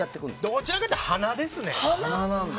どちらかというと鼻ですね。